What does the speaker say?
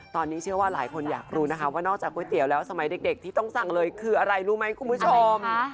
ตอนนี้เชื่อว่าหลายคนอยากรู้นะคะว่านอกจากก๋วยเตี๋ยวแล้วสมัยเด็กที่ต้องสั่งเลยคืออะไรรู้ไหมคุณผู้ชม